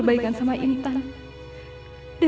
ya tante makasih ya tante